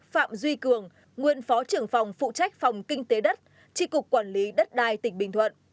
sáu phạm duy cường nguyên phó trưởng phòng phụ trách phòng kinh tế đất tri cục quản lý đất đai tỉnh bình thuận